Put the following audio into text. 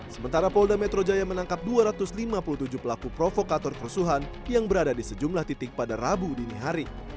sementara polda metro jaya menangkap dua ratus lima puluh tujuh pelaku provokator kerusuhan yang berada di sejumlah titik pada rabu dini hari